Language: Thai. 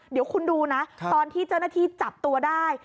เดี๋ยวคุณดูนะตอนที่เจ้าหน้าที่จับตัวได้